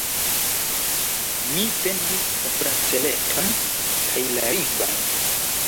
Mi vendis la braceleton kaj la ringon.